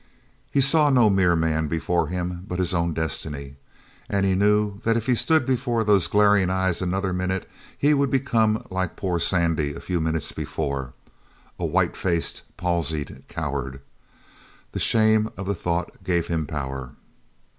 He saw no mere man before him, but his own destiny. And he knew that if he stood before those glaring eyes another minute he would become like poor Sandy a few minutes before a white faced, palsied coward. The shame of the thought gave him power.